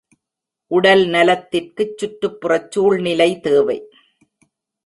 உடல் நலத்திற்குச் சுற்றுப்புறச் சூழ்நிலை தேவை.